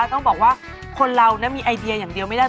ต้องบอกว่าคนเรามีไอเดียอย่างเดียวไม่ได้